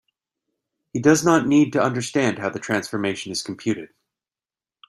He does not need to understand how the transformation is computed.